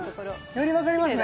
より分かりますね。